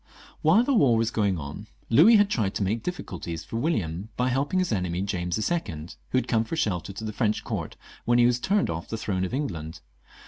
While the war was going on Louis had tried to make dififtculties for William by helping his enemy, James XL, who had come for shelter to the French court when he was turned off the throne of England.